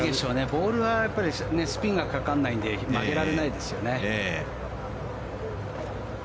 ボールにスピンがかからないので曲げられないですよね。